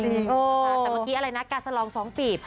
แต่เมื่อกี้อะไรนะการสลองฟ้องปีบ